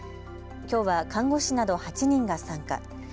きょうは看護師など８人が参加。